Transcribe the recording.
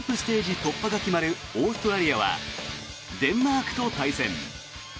突破が決まるオーストラリアはデンマークと対戦。